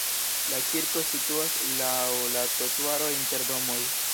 La kirko situas laŭ la trotuaro inter domoj.